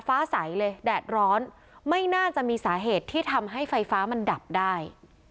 ฟ้าใสเลยแดดร้อนไม่น่าจะมีสาเหตุที่ทำให้ไฟฟ้ามันดับได้